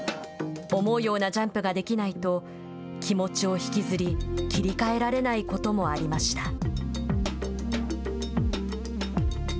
思うようなジャンプができないと気持ちを引きずり切り替えられないこともありました。